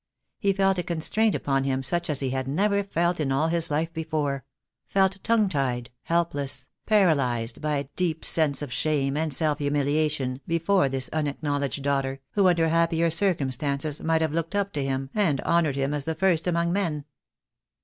He felt a constraint upon him such as he had never felt in all his life before — felt tongue tied, helpless, paralyzed by a deep sense of shame and self humiliation before this unacknowledged daughter, who under happier circumstances might have looked up to him and honoured him as the first among men.